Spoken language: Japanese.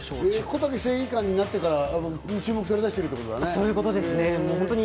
こたけ正義感になってから注目されだしたってことだね。